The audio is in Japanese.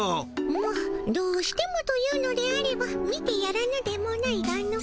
まっどうしてもと言うのであれば見てやらぬでもないがの。